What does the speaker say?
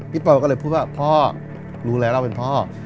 ปอลก็เลยพูดว่าพ่อรู้แล้วเราเป็นพ่อ